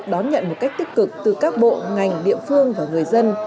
đón nhận một cách tích cực từ các bộ ngành địa phương và người dân